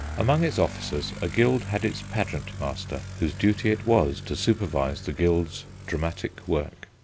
Among its officers a guild had its pageant master, whose duty it was to supervise the guild's dramatic work.